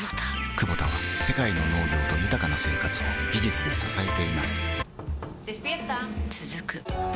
クボタは世界の農業と豊かな生活を技術で支えています起きて。